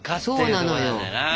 そうなのよ。